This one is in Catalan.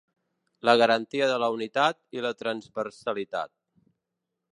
La garantia de la unitat i la transversalitat.